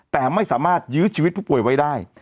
แต่ไม่สามารถยื้อชีวิตผู้ป่วยไว้ได้